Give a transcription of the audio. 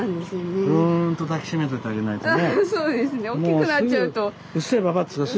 おっきくなっちゃうと。